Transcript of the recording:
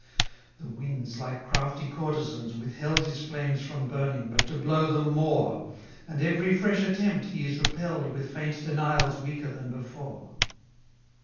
221 The winds, like crafty courtesans, withheld His flames from burning, but to blow them more: And every fresh attempt he is repell'd With faint denials weaker than before.